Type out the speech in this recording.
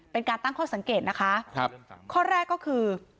เป็นการตั้งข้อสังเกตนะคะครับข้อแรกก็คือ